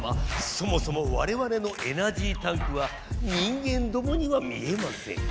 そもそもわれわれのエナジータンクは人間どもには見えません。